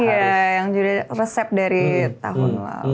iya yang sudah resep dari tahun lalu